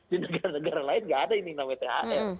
di negara negara lain tidak ada yang namanya thr